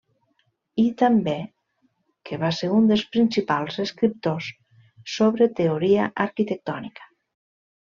I també que va ser un dels principals escriptors sobre teoria arquitectònica.